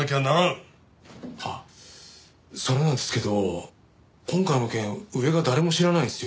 あっそれなんですけど今回の件上が誰も知らないんですよ。